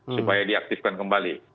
supaya diaktifkan kembali